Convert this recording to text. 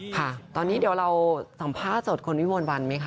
ค่ะตอนนี้เดี๋ยวเราสัมภาษณ์สดคุณวิมวลวันไหมค